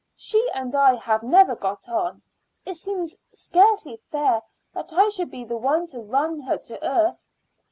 She and I have never got on. It seems scarcely fair that I should be the one to run her to earth."